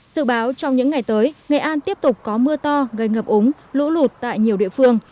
dự báo trong những ngày tới nghệ an tiếp tục có mưa to gây ngập úng lũ lụt tại nhiều địa phương